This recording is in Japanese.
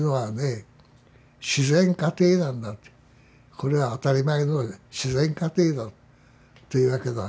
これは当たり前の自然過程だっていうわけだ。